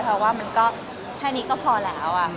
เพราะว่าแค่นี้ก็พอแล้ว